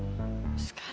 sekarang nggak diangkat